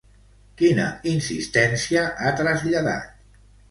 Quina insistència ha traslladat?